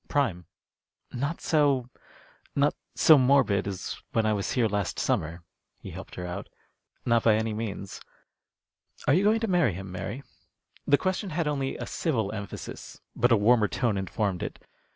"Prime." "Not so " "Not so morbid as when I was here last summer," he helped her out. "Not by any means. Are you going to marry him, Mary?" The question had only a civil emphasis, but a warmer tone informed it.